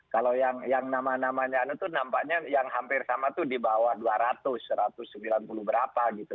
kalau yang nama namanya itu nampaknya yang hampir sama tuh di bawah dua ratus satu ratus sembilan puluh berapa gitu